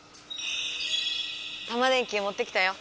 タマ電Ｑもってきたよ！